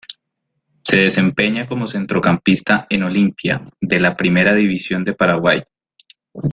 Se desempeña como centrocampista en Olimpia de la Primera División de Paraguay.